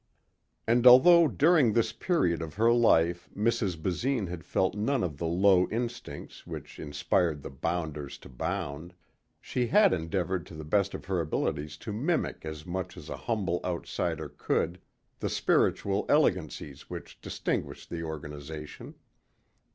And although during this period of her life Mrs. Basine had felt none of the low instincts which inspired the bounders to bound, she had endeavored to the best of her abilities to mimic as much as a humble outsider could the spiritual elegancies which distinguished the Organization.